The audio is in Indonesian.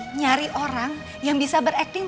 mencari orang yang bisa berakting